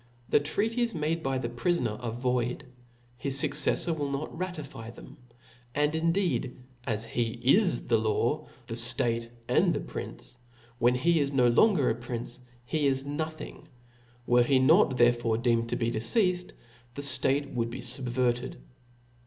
The treaties .made by the. prifoner are void, his fucceffor will not ^ratify them: and indeed, as he is the law, the ftate, and the prince j when; he is ,no longer a prince, O F L A W S. 85 prince, he is nothing : were he not therefore deem Book ed to be deceafcd, the ftate would be fubverted.